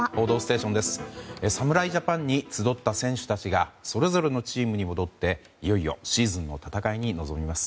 侍ジャパンに集った選手たちがそれぞれのチームに戻っていよいよシーズンの戦いに臨みます。